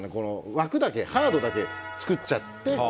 枠だけハードだけ作っちゃって。